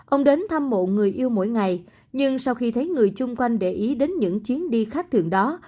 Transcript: ông đến thăm mộ người yêu mỗi ngày nhưng sau khi thấy người chung quanh để ý đến những chuyến đi khách thường đó